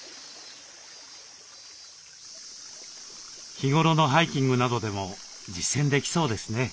日頃のハイキングなどでも実践できそうですね。